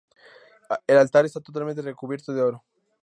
El altar está totalmente recubierto de oro.